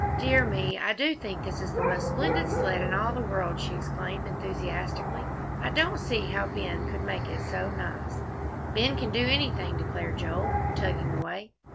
"Dear me, I do think this is the most splendid sled in all the world," she exclaimed enthusiastically. "I don't see how Ben could make it so nice." "Ben can do anything," declared Joel, tugging away.